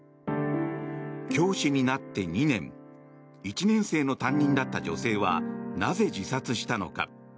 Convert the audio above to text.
教師になって２年１年生の担任だった女性はなぜ自殺したのか。